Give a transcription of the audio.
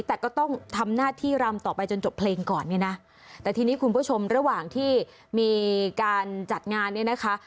แต่ก็ต้องทำหน้าที่รำต่อไปจนจบเพลงก่อนเนี่ยนะแต่ทีนี้คุณผู้ชมระหว่างที่มีการจัดงานเนี่ยนะคะ